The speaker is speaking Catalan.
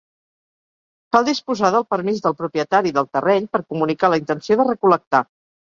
Cal disposar del permís del propietari del terreny per comunicar la intenció de recol·lectar.